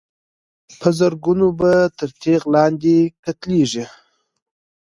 په زرګونو به تر تېغ لاندي قتلیږي